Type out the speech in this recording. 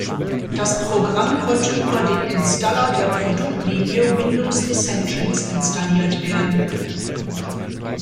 Das Programm konnte über den Installer der Produktlinie Windows Essentials installiert werden.